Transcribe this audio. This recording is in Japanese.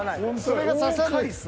それが刺さるんです。